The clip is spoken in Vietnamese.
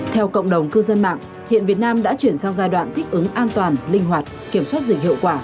theo cộng đồng cư dân mạng hiện việt nam đã chuyển sang giai đoạn thích ứng an toàn linh hoạt kiểm soát dịch hiệu quả